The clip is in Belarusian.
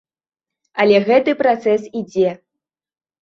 Але гэты працэс ідзе.